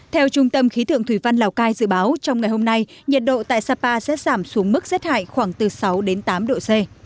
theo trung tâm khí tượng thủy văn lào cai dự báo trong ngày hôm nay nhiệt độ tại sapa sẽ giảm xuống mức rét hại khoảng từ sáu đến tám độ c